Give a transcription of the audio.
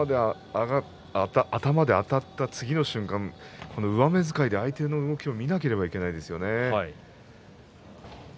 頭であたった次の瞬間に上目遣いで相手の動きを見なければいけないですよね。